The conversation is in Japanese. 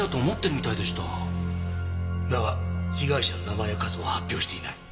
だが被害者の名前や数は発表していない。